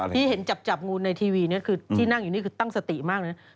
ที่เห็นจับงูในทีวีนี่คือที่นั่งอยู่นี่คือตั้งสติมากเลยนะ